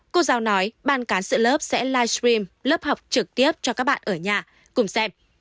cô giáo nói ban cán sự lớp sẽ livestream lớp học trực tiếp cho các bạn ở nhà cùng xem